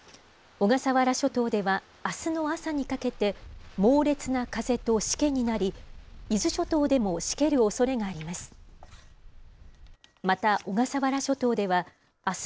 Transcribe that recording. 小笠原諸島では、あすの朝にかけて、猛烈な風としけになり、伊豆諸島でもしけるおそれがあります。